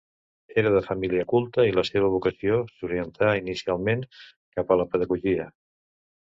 Era de família culta i la seva vocació s'orientà inicialment cap a la pedagogia.